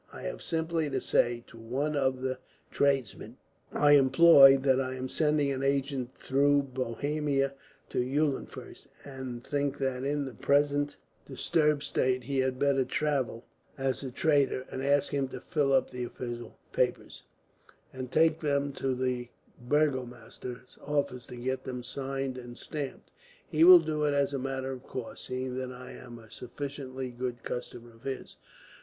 I have simply to say, to one of the tradesmen I employ, that I am sending an agent through Bohemia to Eulenfurst, and think that in the present disturbed state he had better travel as a trader; and ask him to fill up the official papers, and take them to the burgomaster's office to get them signed and stamped. He will do it as a matter of course, seeing that I am a sufficiently good customer of his.